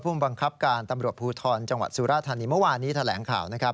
ผู้บังคับการตำรวจภูทรจังหวัดสุรธัณฑ์นี้เมื่อวานนี้แถลงข่าว